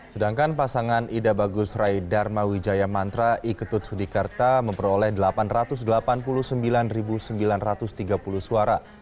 sedangkan pasangan ida bagus raid dharma wijaya mantra iketut sudikarta memperoleh delapan ratus delapan puluh sembilan sembilan ratus tiga puluh suara